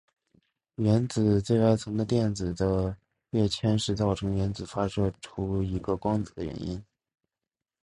原子最外层电子的跃迁是造成原子发射出一个光子的原因。